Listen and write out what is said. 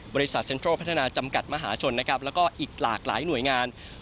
เซ็นทรัลพัฒนาจำกัดมหาชนนะครับแล้วก็อีกหลากหลายหน่วยงาน